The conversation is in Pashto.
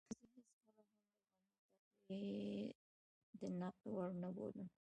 زه هېڅکله هم د غني تقوی د نقد وړ نه بولم.